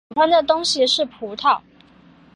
喜欢的东西是葡萄。